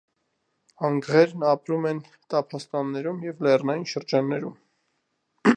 Անգղերն ապրում են տափաստաններում և լեռնային շրջաններում։